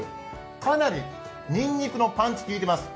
かなりにんにくのパンチ、効いてます。